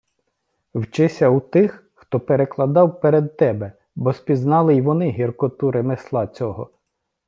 Вчися у тих, хто перекладав перед тебе, бо спізнали й вони гіркоту ремесла цього.